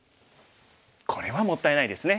これはもったいないですね。